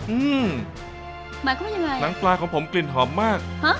หมายความว่ายังไงหนังปลาของผมกลิ่นหอมมากฮะ